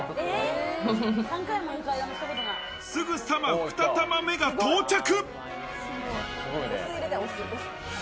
すぐさま、２玉目が到着。